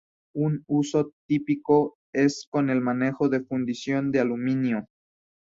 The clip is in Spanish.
Un uso típico es con el manejo de fundición de aluminio.